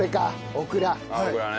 オクラね。